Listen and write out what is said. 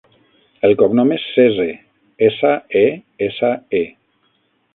El cognom és Sese: essa, e, essa, e.